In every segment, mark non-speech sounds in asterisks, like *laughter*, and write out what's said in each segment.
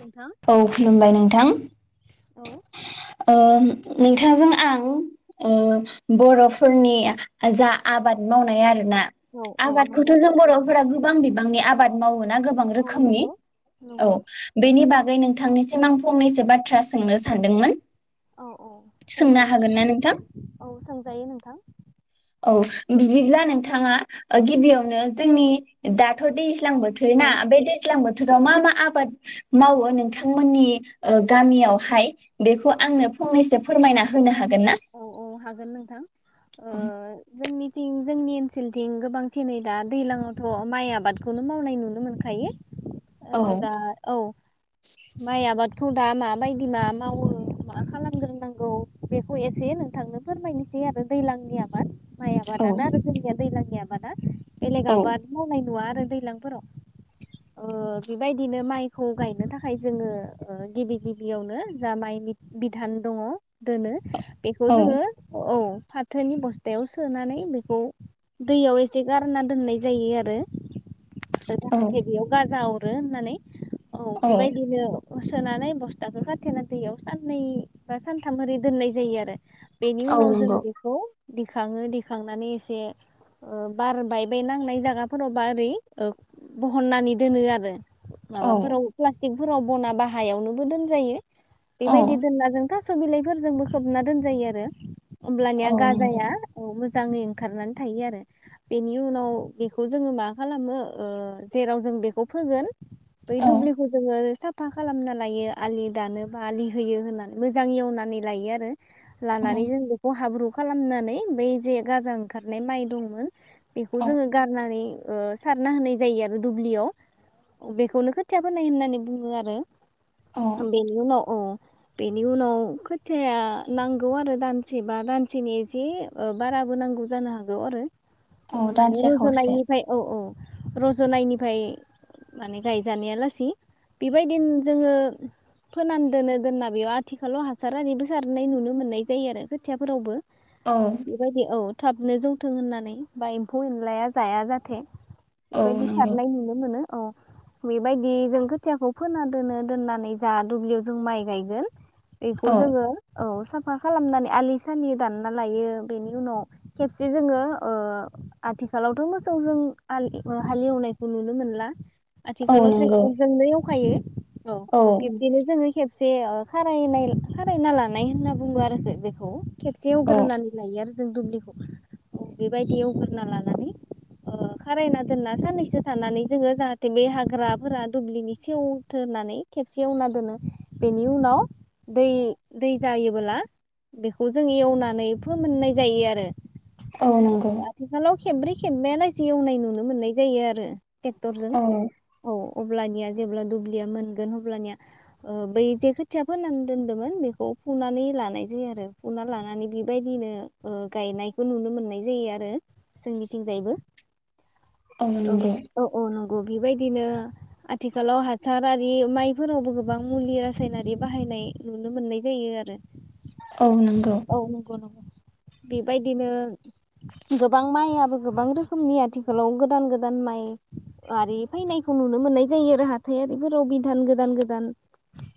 नोंथां औ खुलुमबाय नोंथां औ नोंथांजों आं ओ बर'फोरनि जा आबाद मावनाय आरो ना औ आबादखौथ' नंगौ जों बर'फोरा गोबां बिबांनि आबाद मावो ना गोबां औ रोखोमनि नंगौ नंगौ बेनि बागै आगै नोंथांनिसिम आं फंनैसो बाथ्रा सोंनो सानदोंमोन औ औ सोंनो सोंजायो हागोन ना नोंथां औ सोंजायो नोंथां औ बिदिब्ला नोंथां आ गिबियावनो जोंनि दाथ' दै दैलां औ बोथोरना बे दैज्लां बो बोथोराव मा मा आबाद मावो नोंथांमोननि गामियावहाय बेखौ आंनो फंनैसो फोरमायना होनो हागोन ना औ औ हागोन नोंथां औ जोंनिथिं जोंनि ओनसोलथिं गोबांथिङै दा दैज्लांआवथ' माइ आबादखौनो मावनाय नुनो मोनखायो औ दा औ माइ आबाद बेखौ दा माबायदि मा मावो मा खालामग्रोनांगौ बेखौ एसे नोंथांनो फोरमायनोसै आरो दैलांनि आबाद माइ औ आबादानो आरो जोंनिया दैलांनिया आबादा बेलग औ आबाद मावनाय नुवा आरो दैलांफोराव बेबायदिनो माइखौ गायनो थाखाय जोङो गिबि गिबियावनो जा माइ बिधान दङ दोनो *inaudible* बेखौ औ जोङो औ फाथोनि बस्थायाव सोनानै बेखौ दैयाव एसे गार गारना दोननाय जायो आरो जाहाथे बेयाव गाजा हरो होननानै औ बेबायदिनो हो सोनानै बस्थाखौ खाथेना दैयाव साननै बा सानथाम ओरै दोननाय जायो आरो बेनि औ उनाव जों नंगौ बेखौ' दिखाङो दिखांनानै एसे ओ बार बायबाय नांनाय जागाफोरावबा ओरै ओ बहननानै दोनो आरो। औ माबाफोराव प्लाटिक फोराव बना बा हायावनो बो दोनजायो औ बेबायदि दोनना जों थास' बिलाइ फोरजों बो खोबना दोनजायो आरो औ होमब्लानिया नंगौ गाजाया औ मोजां मोजाङै ओंखारनानै थायो आरो बेनि उनाव बेखौ जोङो मा खालामो ओ जेराव जों बेखौ फोगोन बै औ दुब्लि खौ जोङो साफा खालामना लायो आलि दानो बा आलि होयो होननानै मोजां एवनानै लायो आरो लानानै औ जों बेखौ हाब्रु खालामनानै बै जे गाजा ओंखारनाय माइ दंमोन बेखौ औ जोङो गारनानै ओ सारना होनाय जायो आरो दुब्लियाव बेखौनो खोथियाफोनाय होननानै बुङो आरो औ बेनि उनाव ओ बेनि उनाव खोथिया नांगौ आरो दानसे बा दानसेनि एसे ओ बाराबो नांगौ जानो हागौ आरो। औ माने दानसे खावसे रुजुनायनिफ्राय औ औ रज'नायनिफ्राय माने गायजानाया लासि बेबायदिनो जोङो फोनान दोनो दोनना बेयाव आथिखालाव हास सार आरिबो सारनाय नुनो मोननाय जायो आरो खोथियाफोरावबो औ बेबायदि औ थाबनो जौथों होननानै बा एम्फौ एनलाया जाया जाथे औ बेबायदि नंगौ सारनाय नुनो मोनो। औ बेबायदि जों खोथियाखौ फोना दोनो दोननानै जा दुब्लियाव जों माइ गायगोन एखौ औ जोङो औ साफा खालामनानै आलि सालि दानना लायो बेनि उनाव खेबसे जोङो ओ आथिखालावथ' मोसौजों हालेवनायखौ नुनो मोनला। औ आथिखालाव नंगौ ट्रेकटरजोंनो एवखायो औ बिबदिनो जोङो खेबसे ओ खारायनाय खारायना लानाय होनना बुङो आरो बेखौ खेबसे औ एवग्रोनानै लायो आरो जों दुब्लिखौ औ बेबायदि एवग्रोना लानानै ओ खारायना दोनना साननैसो थानानै जोङो जाहाथे बे हाग्राफोरा दुब्लिनि सेवथोननानै खेबसे एवना दोनो बेनि उनाव दै दै जायोबोला बेखौ जों एवनानै फोमोननाय जायो आरो औ ओ नंगौ आथिखालाव खेब्रै खेबबायालासे एवनाय नुनो मोननाय जायो आरो ट्रेक्टरजों औ औ अब्लानिया जेब्ला दुब्लिया मोनगोन अब्लानिया ओ बै जे खोथिया फोननानै दोन्दोंमोन बेखौ फुनानै लानाय जायो आरो फुना लानानै बेबायदिनो ओ गायनायखौ नुनो मोननाय जायो आरो जोंनिथिंजायबो औ औ औ न बेबायदिनो आथिखालाव हासारारि माइफोरावबो गोबां मुलि रासायनारि बाहायनाय नुनो मोननाय जायो आरो औ नंगौ औ नंगौ नंगौ बेबायदिनो गोबां माइआाबो गोबां रोखोमनि आथिखालाव गोदान गोदान माइ आरि फैनायखौ नुनो मोननाय जायो आरो हाथाइआरिफोराव बिदान गोदान गोदान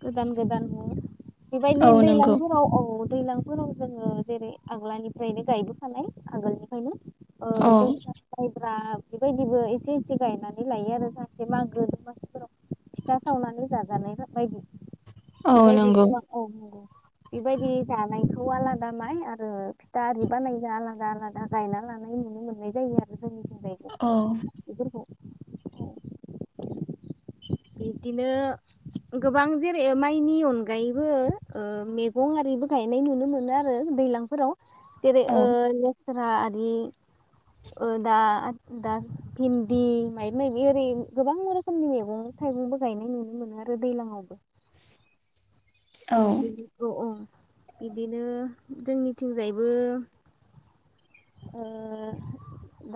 गोदान गोदान न बेबायदि औ नंगौ दैलांफोराव औ दैलांफोराव जोङो जेरै आग्लानिफ्रायनो गायबोखानाय आगोलनिफ्रायनो औ ओ जों *unintelligible* बेबायदिबो एसे एसे गायनानै लायो आरो जाहाथे मागो दमासिफोराव फिथा सावनानै जाजानाय बायदि औ बेबायदि नोंगौ गोबां औ बेबायदि जानायखौ आलादा माइ आरो फिथा आरि बानायगा आलागा लादा गायना लानाय नुनो मोननाय जायो आरो जोंनिथिंजायबो औ बेफोरखौ बिदिनो गोबां जेरै माइनि अन गायैबो ओ मेगं आरिबो गायनाय नुनो मोनो आरो दैलांफोराव जेरै औ ओ लेस फोरा आरि ओ दा दा भिन्दि मायबा मायबि ओरै गोबां रोखोमनि मेगं थाइगंबो गायनाय नुनो मोनो आरो दैलां आवबो औ *unintelligible* बिदिनो जोंनिथिंजायबो ओ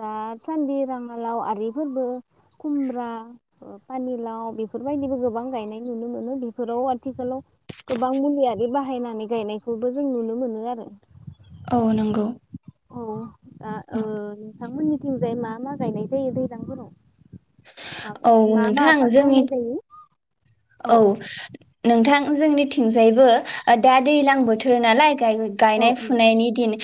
दासान्दि राङालाव आरिफोरबो खुमब्रा पानिलाव बेफोरबायदिबो गोबां गायनाय नुनो मोनो बेफोराव आथिखालाव गोबां मुलि आरि बाहायनानै गायनायखौबो जों नुनो मोनो आरो औ नोंगौ औ आ ओ थांमोननिथिंजाय मा मा गायनाय जायो दैलांफोराव औ माने मा मा नोंथां आबाद जोंनि मावनाय जायो औ नोंथां जोंनिथिंजायबो दा दैलां बोथोर नालाय दायो औ गायनाय फुनायनि दिन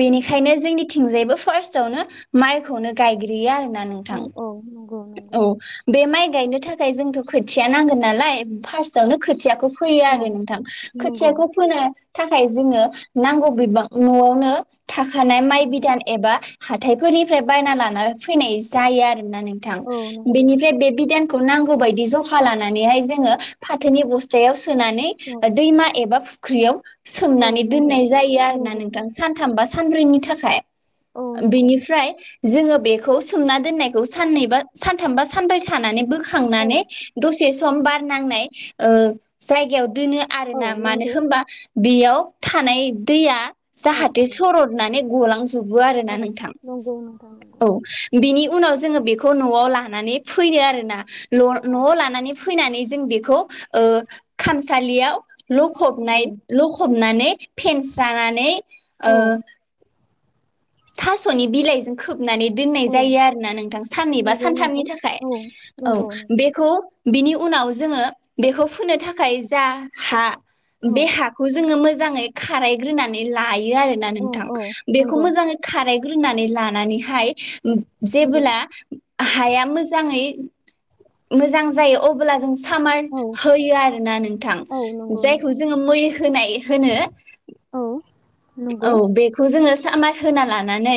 बेनिखायनो जोंनिथिंजायबो फार्स्टआवनो माइखौनो गायग्रोयो ना औ नोंथां औ नंगौ औ बे माइ गायनो थाखाय जोंथ' खोथिया नांगोन नालाय फार्स्टआवनो खोथियाखौ फोयो औ आरो नोंथां नंगौ खोथियाखौ फोनो थाखाय जोङो नांगौ बिबां न'आवनो थाखानाय माइ नंगौ बिदान एबा हाथायफोरनिफ्राय बायना लाना फैनाय जायो आरोना नों थां औ नंगौ बेनिफ्राय बे बिदान खौ नांगौ बायदि जखा लानानैहाय जोङो फाथोनि बस्थायाव सोनानै नंगौ औ ओ नंगौ दैमा एबा फु ख्रिआव औ सोमनानै नंगौ दोननाय जायो आरोना नंगौ नोंथां सानथामबा सानब्रैनि थाखाय औ नंगौ बेनिफ्राय जोङो बेखौ सोंना दोननायखौ सानैबा सानथामबा सानब्रै थानानै बो औ खांनानै दसे सम बार नांनाय ओ जायगायाव दोनो आरो औ ना मानो नंगौ होमबा बेयाव थानाय दैया औ जाहाथे औ सरदनानै गलां जोबो औ आरोना नोंथां नंगौ नोंथां नंगौ औ बिनि उनाव जोङो बेखौ न'आव लानानै फैनो आरोना न' औ न'आव लानानै फैनानै जों बेखौ ओ खामसालियाव लखबनाय नंगौ लखब नानै फेनस्रानानै औ ओ थास'नि बिलाइजों खोब नानै दोननाय औ जायो आरोना नोंथां साननै बा नंगौ सानथामनि नोंथां थाखाय औ औ नंगौ नंगौ बेखौ बिनि उनाव जोङो बेखौ फोनो थाखाय जा हा औ बे हाखौ जोङो मोजाङै खारायग्रोनानै लायो। आरोना औ नोंथां औ बेखौ नंगौ मोजाङै खारायग्रोनानै लानानैहाय नंगौ जेबोला हाया मोजाङै मोजां जायो अब्ला जों सामार औ होयो आरोना नोंथां औ नंगौ जायखौ नोंथां जोङो मै होनाय होनो। औ औ नंगौ बेखौ जोङो सामार होना लानानै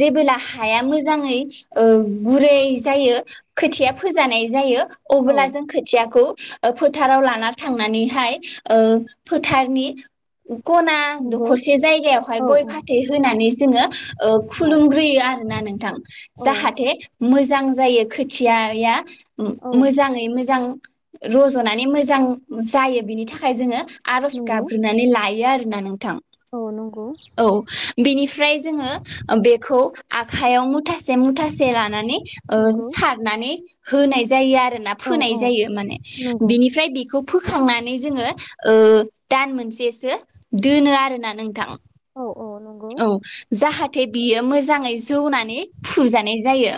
जेबोला हाया मोजाङै ओ गुरै जायो खोथिया फोजानाय जायो औ अब्ला जों खोथियाखौ ओ फोथाराव लाना थांनानैहाय ओ फोथारनि कना दखना नंगौ हरसे जायगायावहाय औ गय फाथै होनानै जोङो ओ औ खुलुमग्रोयो आरोना नोंथां औ जाहाथे मोजां जायो खोथियाया औ मोजाङै मोजां रज'नानै मोजां जायो बिनि थाखाय जोङो आर'ज नंगौ गाबग्रोनानै लायो आरो ना नोंथां औ नंगौ औ बिनिफ्राय जोङो ओ बेखौ आखायाव मुथासे से मुथासे लानानै ओ नंगौ सारनानै होनाय जायो आरो आरोना औ फोनाय औ जायो माने नंगौ बिनिफ्राय बेखौ फोखांनानै जोङो ओ दान मोनसेसो दोनो आरो ना ना नोंथां औ औ नंगौ औ जाहाथे बियो मोजाङै जौनानै फुजानाय जायो।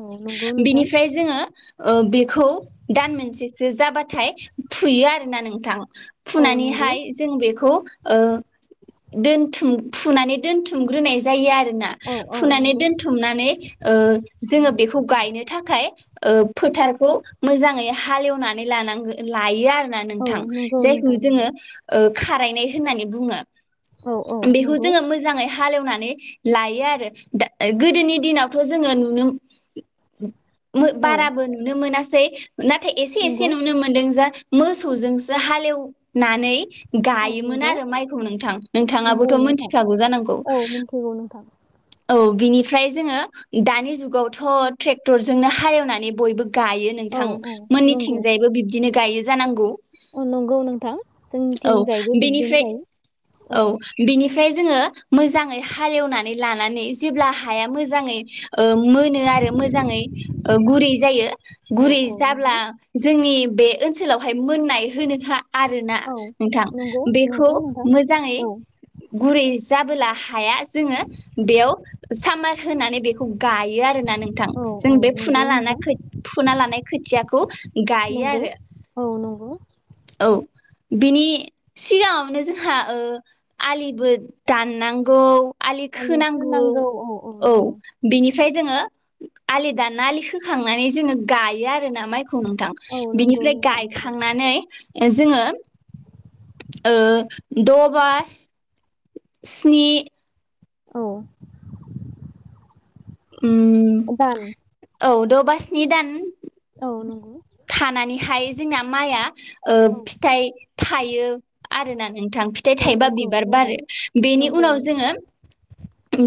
औ नंगौ नोंथां बिनिफ्राय जोङो ओ‌ बेखौ दान मोनसेसो जाबाथाय फुयो आरोना नोंथां। औ नंगौ फुनानैहाय जों बेखौ ओ‌ दोन थुम फुनानै दोनथुमग्रोनाय जायो आरो आरोना औ औ फुनानै नंगौ दोनथुमनानै ओ जोङो बेखौ गायनो थाखाय ओ‌ फोथारखौ मोजाङै हालेवनानै लानांगौ लायो आरो औ नोंथां नंगौ जायखौ नोंथां नंगौ जोङो‌‌ ओ खारायनाय होननानै बुङो औ औ बेखौ नंगौ जोङो मोजाङै हालेवनानै लायो आरो दा गोदोनि दिनावथ' जोङो नुनो ओ‌‌ औ बाराबो नुनो मोनासै सै नाथाय एसे एसे नंगौ नुनो मोनदों जा मोसौजोंसो हालेवनानै औ गायोमोन नंगौ आरो माइखौ नोंथां नोंथाङाबो नंगौ नोंथां मिथिखागौ जानांगौ औ मिन्थिगौ नोंथां औ बिनिफ्राय जोङो दानि जुगावथ' ट्रेक्टरजोंनो हालेवनानै बयबो गायो औ नोंथां औ मोननिथिंजायैबो बिबदिनो गायो जानांगौ अ नंगौ नोंथां औ जोंनिथिं जायैबो बिदिनो जायो औ बेनिफ्राय जोङो मोजाङै हालेवनानै लानानै जेब्ला हाया मोजाङै ओ मोनो आरो मोजाङै ओ गुरै जायो औ गुरै औ जाब्ला नंगौ जोंनि बे ओनसोलावहाय मोननाय होनोखा आरोना औ नोंथां नंगौ बेखौ नंगौ नोंथां मोजाङै औ गुरै जाबोला हाया जोङो बेयाव सामार होनानै बेखौ गायो आरोना नोंथां औ जों औ बे फुना नंगौ लाना नोंथां खो फुना लानाय खोथियाखौ गायो नंगौ आरो औ नंगौ औ बिनि सिगाङावनो जोंहा ओ आलिबो दाननांगौ आलि खोनांगौ औ बिनि ओमफ्राय जोङो आलि दाना आलि खोखांनानै जोङो गायो आरो ना माइखौ नोंथां औ नंगौ बिनिफ्राय नोंथां नंगौ गायखांनानै ए जोङो ओ द' बास स्नि औ उम दान औ द' बा स्नि दान औ नंगौ थानानैहाय जोंना माइआ ओ औ फिथाइ थाइ यो आरोना नोंथां फिथाइ औ थाइबा नंगौ बिबार नंगौ बारो बिनि नंगौ उनाव नोंथां जोङो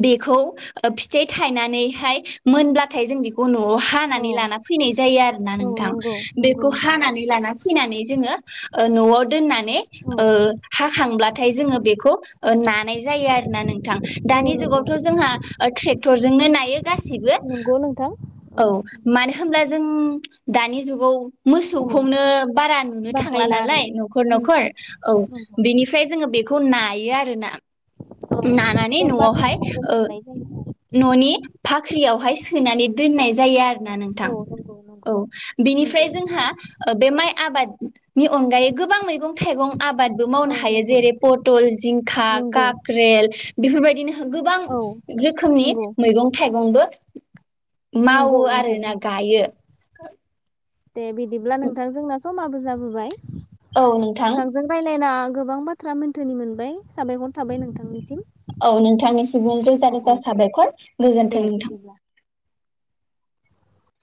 बेखौ ओ फिथाइ थायनानैहाय मोनब्लाथाय जों बिखौ न'आव औ हानानै लाना फैनाय जायो आरोना औ नोंथां नंगौ नंगौ बेखौ नोंथां हानानै लाना फैनानै जोङो ओ न'आव दोननानै औ ओ हाखांब्लाथाय जोङो बेखौ ओ नानाय जायो आरोना नोंथां औ दानि नंगौ जुगावथ' जोंहा ओ ट्रेक्टरजोंनो नायो गासिबो नंगौ नोंथां औ मानो होमब्ला जों दानि जुग गौ औ मोसौखौनो बारा नुनो थांला बाहायला नालाय आरो न'खर न'खर औ नंगौ बिनिफ्राय जोङो बे खौ नायो आरो ना औ नानानै बोरबा न'आवहाय बोरबाजों ओ थानाय जायो न'नि फा ख्रियावहाय सोनानै दोननाय जायो आर ना नोंथां औ नंगौ औ नंगौ नंगौ बिनिफ्राय नोंथां जोंहा ओ बे माइ आबादनि अनगायै गोबां मैगं थाइगं आबादबो औ मावनो हायो नंगौ जेरै पटल जिंखा नंगौ काक्रेल बेफोरबायदिनो गोबां औ रोखोमनि नंगौ मैगं थाइगंबो *inaudible* नंगौ मावो आरो नोंथां ना नंगौ गायो दे बिदिब्ला नोंथां जोंना समाबो जाबोबाय औ नोंथां नोंथांजों रायलायना गोबां बाथ्रा मोनथोनि मोनबाय साबायखर थाबाय नोंथांनिसिम औ नोंथांनिसिमबो रोजा औ रोजा औ साबायखर दे गोजोन्थों नोंथां बिदिब्ला